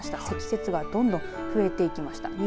積雪がどんどん増えていきました。